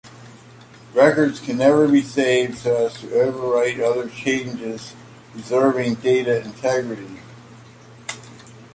Records can never be saved so as to overwrite other changes, preserving data integrity.